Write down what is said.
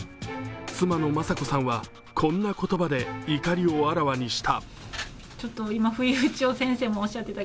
妻の雅子さんはこんな言葉で怒りをあらわにした。